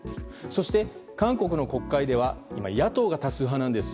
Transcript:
そして韓国の国会では今、野党が多数派なんです。